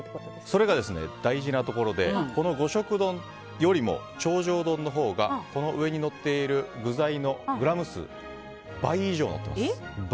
それが大事なところでこの５色丼よりも頂上丼のほうが具材のグラム数倍以上のっています。